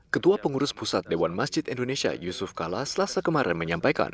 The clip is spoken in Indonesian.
ketua pengurus pusat dewan masjid indonesia yusuf kala selasa kemarin menyampaikan